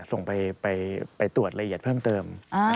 ส่งไปตรวจละเอียดเพิ่มเติม